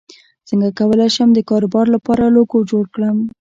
څنګه کولی شم د کاروبار لپاره لوګو جوړ کړم